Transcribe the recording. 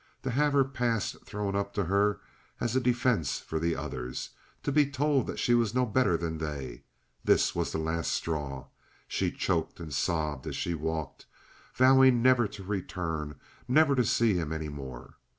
To have her past thrown up to her as a defense for the others! To be told that she was no better than they! This was the last straw. She choked and sobbed as she walked, vowing never to return, never to see him any more.